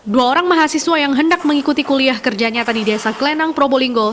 dua orang mahasiswa yang hendak mengikuti kuliah kerja nyata di desa klenang probolinggo